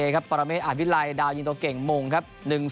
กับปรเมศอาวิรัยดาวยิงตัวเก่งมุงครับ๑๐